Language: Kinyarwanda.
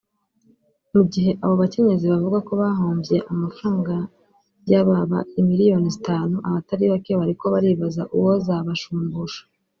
Mugihe abo bakenyezi bavuga ko bahomvye amafaranga yababa imiriyoni zitanu abatari bake bariko baribaza uwuzobashumbusha